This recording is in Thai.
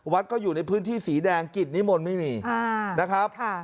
วัดก็อยู่ในพื้นที่สีแดงกิจนิมนต์ไม่มีนะครับ